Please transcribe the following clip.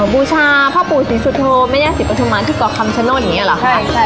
บูชาพระปู่ศรีสุโธมแม่งงานศรีประธุมันที่ก่อคำชโน้นอย่างนี้หรอค่ะ